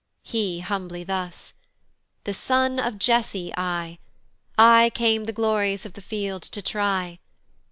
He humbly thus; "The son of Jesse I: "I came the glories of the field to try.